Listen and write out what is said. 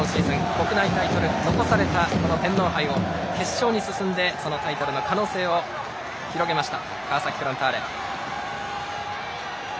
国内タイトル残された天皇杯を決勝に進んでタイトルの可能性を広げました川崎フロンターレ。